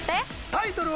タイトル。